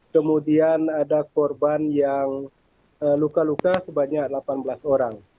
kemudian ada korban yang luka luka sebanyak delapan belas orang